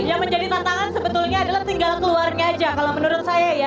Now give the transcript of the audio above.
yang menjadi tantangan sebetulnya adalah tinggal keluarnya aja kalau menurut saya ya